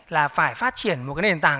là phải phát triển một cái nền tảng